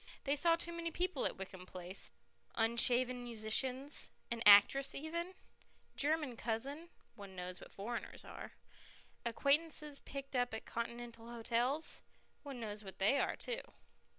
They saw too many people at Wickham Place unshaven musicians, an actress even, German cousins (one knows what foreigners are), acquaintances picked up at Continental hotels (one knows what they are too).